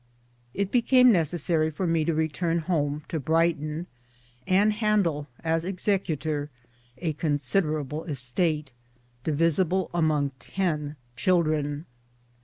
It became necessary for me to return home, to Brighton, and handle, as executor, a considerable estate divisible among ten children.